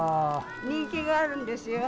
人気があるんですよ。